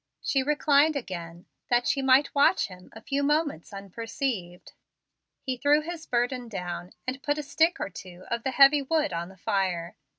She reclined again, that she might watch him a few moments unperceived. He threw his burden down, and put a stick or two of the heavy wood on the fire.